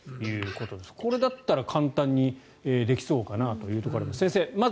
これだったら簡単にできそうかなというところがあります。